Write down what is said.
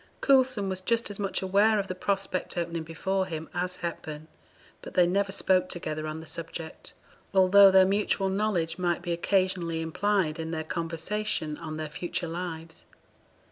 Coulson was just as much aware of the prospect opening before him as Hepburn; but they never spoke together on the subject, although their mutual knowledge might be occasionally implied in their conversation on their future lives.